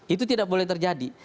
itu tidak boleh terjadi